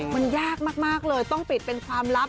มันยากมากเลยต้องปิดเป็นความลับ